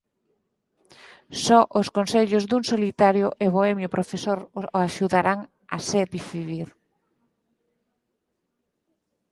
Só os consellos dun solitario e bohemio profesor o axudarán a se decidir.